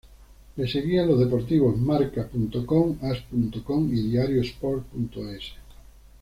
Le seguían los deportivos marca.com, as.com y diariosport.es.